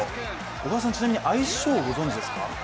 小川さん、ちなみに、愛称、ご存じですか？